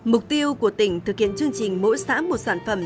mục tiêu của tỉnh thực hiện chương trình mỗi xã một sản phẩm